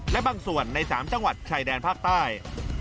และบางส่วนใน๓จังหวัดชายแดนภาคใต้